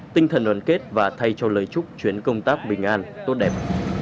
tinh thần đoàn kết và thay cho lời chúc chuyến công tác bình an tốt đẹp